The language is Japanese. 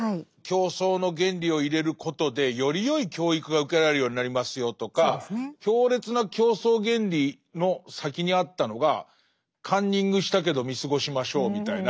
競争の原理を入れることでよりよい教育が受けられるようになりますよとか強烈な競争原理の先にあったのがカンニングしたけど見過ごしましょうみたいな。